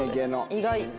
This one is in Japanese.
意外。